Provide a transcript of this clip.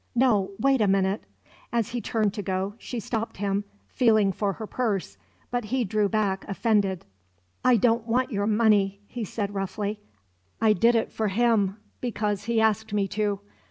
No, wait a minute " As he turned to go, she stopped him, feeling for her purse; but he drew back, offended. "I don't want your money," he said roughly. "I did it for him because he asked me to.